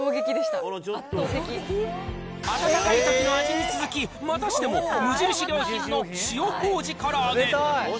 温かいときの味に続き、またしても無印良品の塩こうじからあげ。